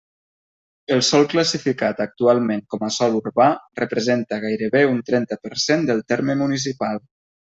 El sòl classificat actualment com a sòl urbà representa gairebé un trenta per cent del terme municipal.